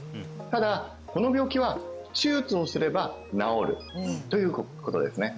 ただこの病気は手術をすれば治るということですね